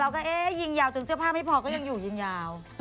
ก็ยังเอ๊ะยิงยาวจนเสื้อผ้าไม่พอก็ยังอยู่ยิงยาว